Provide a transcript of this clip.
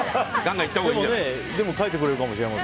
でも書いてくれるかもしれない。